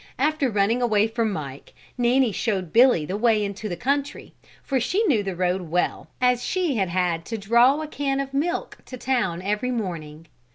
After running away from Mike, Nanny showed Billy the way into the country, for she knew the road well, as she had had to draw a can of milk to town every morning.